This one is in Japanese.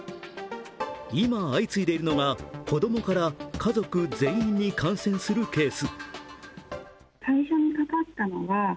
今、相次いでいるのが子供から家族全員に感染するケース。